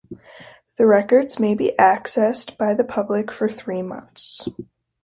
The records may be accessed by the public for three months.